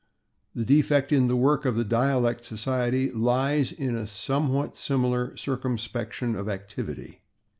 The defect in the work of the Dialect Society lies in a somewhat similar circumscription of activity.